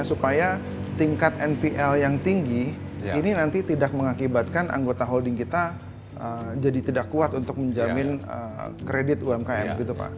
supaya tingkat npl yang tinggi ini nanti tidak mengakibatkan anggota holding kita jadi tidak kuat untuk menjamin kredit umkm gitu pak